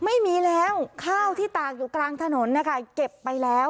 ไม่มีแล้วข้าวที่ตากอยู่กลางถนนนะคะเก็บไปแล้ว